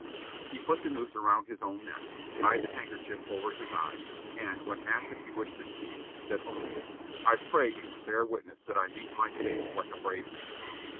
He put the noose about his own neck, tied the handkerchief over his eyes, and, when asked if he wished to speak, said only: "I pray you to bear witness that I meet my fate like a brave man."